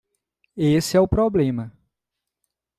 Esse é o problema.